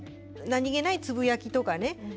何気ないつぶやきとかね